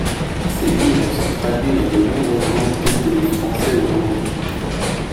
Ses livres sont traduits dans de nombreuses langues telles que le français ou l'anglais.